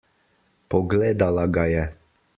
Pogledala ga je.